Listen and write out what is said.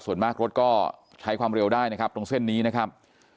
ส่วนมากรถก็ใช้ความเร็วได้นะครับตรงเส้นนี้นะครับ